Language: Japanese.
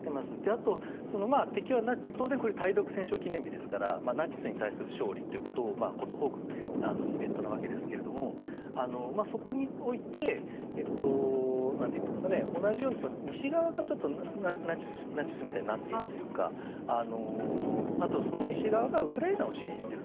あと、敵は、これ対独戦勝記念日ですからナチスに対する勝利ということをことほぐイベントなんですけどそこにおいて、同じように西側がナチスみたいになっているというか、西側がウクライナを支援している。